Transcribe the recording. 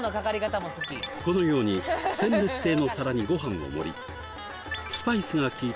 このようにステンレス製の皿にごはんを盛りスパイスがきいた